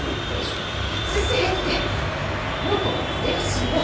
脱税ってこの子は税理士よ。